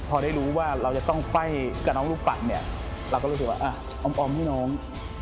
พอได้รู้ว่าเราจะต้องไขว้กับน้องลูกปัดเนี่ยเราก็รู้สึกว่าออมให้น้อง